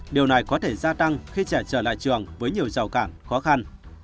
điều này có thể gia tăng khi trẻ trở lại trường với nhiều rào cản khó khăn